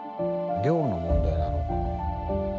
量の問題なのかな。